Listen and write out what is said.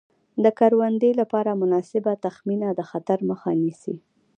د کروندې لپاره مناسبه تخمینه د خطر مخه نیسي.